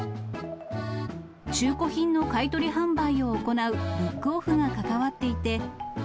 中古品の買い取り販売を行うブックオフが関わっていて。